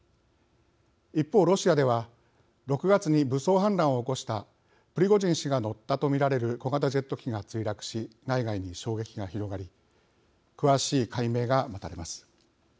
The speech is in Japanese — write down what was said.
一方、ロシアでは６月に武装反乱を起こしたプリゴジン氏が乗ったと見られる小型ジェット機が墜落し内外に衝撃が広がり詳しい解明が待たれます。